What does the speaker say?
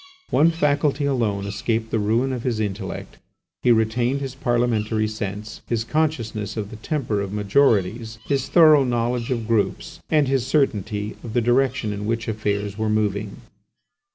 One faculty alone escaped the ruin of his intellect: he retained his Parliamentary sense, his consciousness of the temper of majorities, his thorough knowledge of groups, and his certainty of the direction in which affairs were moving.